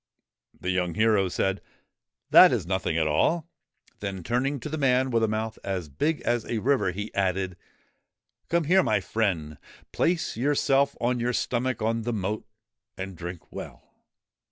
The young hero said, ' That is nothing at all !' Then, turning to the man with a mouth as big as a river, he added :' Come here, my friend. Place yourself on your stomach on the moat, and drink well